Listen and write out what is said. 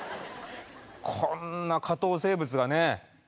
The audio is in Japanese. こんな下等生物がね